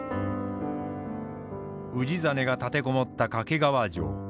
氏真が立て籠もった掛川城。